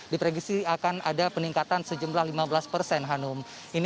diprediksi akan ada peningkatan sejumlah lima belas persen hanum